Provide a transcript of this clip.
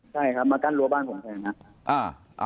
ใช่ครับมากั้นรั้วบ้านผมแทนครับ